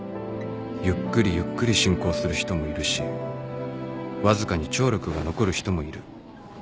ゆっくりゆっくり進行する人もいるしわずかに聴力が残る人もいる